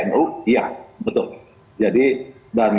dan beliau ini adalah penggunaan pembinaan